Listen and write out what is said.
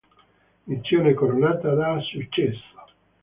Missione coronata da successo.